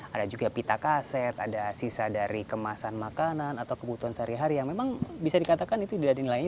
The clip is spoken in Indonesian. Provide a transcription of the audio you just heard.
ada juga pita kaset ada sisa dari kemasan makanan atau kebutuhan sehari hari yang memang bisa dikatakan itu tidak ada nilainya